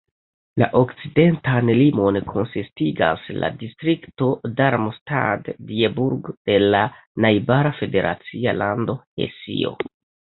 La okcidentan limon konsistigas la distrikto Darmstadt-Dieburg de la najbara federacia lando Hesio.